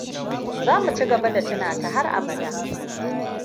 Za mu ci gaba da tuna ta har abada.